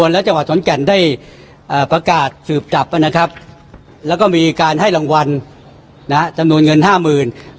และให้รางวัลจำนวนเงิน๕๐๐๐๐บาท